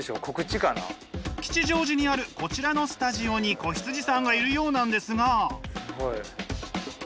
吉祥寺にあるこちらのスタジオに子羊さんがいるようなんですが。